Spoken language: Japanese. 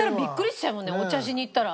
お茶しに行ったら。